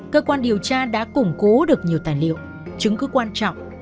cơ quan điều tra đã củng cố được nhiều tài liệu chứng cứ quan trọng